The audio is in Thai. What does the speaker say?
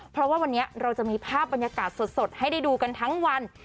เพราะว่าวันนี้เราจะมีภาพบรรยากาศสดให้ได้ดูกันทั้งวัน